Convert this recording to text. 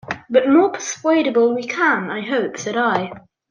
"But more persuadable we can, I hope," said I.